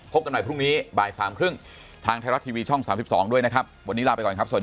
พบกันหน่อยพรุ่งนี้บาย๓๓๐ทางไทยรัฐทีวีช่อง๓๒ด้วยนะครับ